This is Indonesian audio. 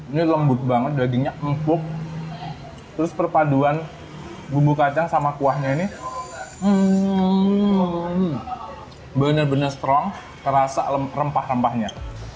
ini lembut banget dagingnya empuk terus perpaduan bumbu kacang sama kuahnya ini benar benar strong terasa rempah rempahnya